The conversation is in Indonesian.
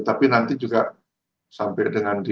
tapi nanti juga sampai dengan di